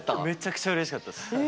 めちゃくちゃうれしかったです。